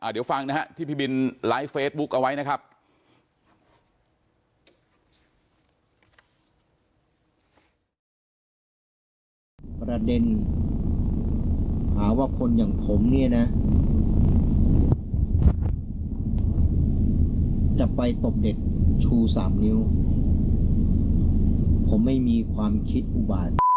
เดี๋ยวฟังนะฮะที่พี่บินไลฟ์เฟซบุ๊กเอาไว้นะครับ